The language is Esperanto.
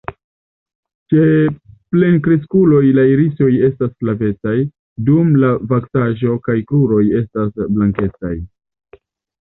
Ĉe plenkreskuloj la irisoj estas flavecaj, dum la vaksaĵo kaj kruroj estas blankecaj.